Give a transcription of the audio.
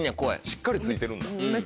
しっかり付いてるんだ。